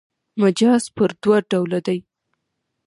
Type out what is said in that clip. مجاز پر دوه ډوله دﺉ.